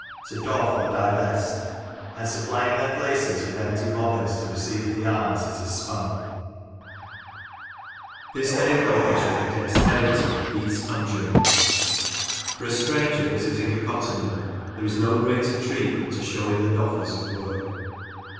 to doff, or divest, — and supplying their places with empty bobbins to receive the yarn as it is spun. This they accomplish with a dexterity that beats^ so Lancashire Characters and Places, conjuring. For a stranger visiting a cotton mill there is no greater treat than to show him the DofFers at work.